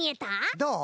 どう？